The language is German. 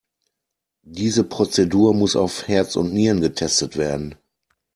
Diese Prozedur muss auf Herz und Nieren getestet werden.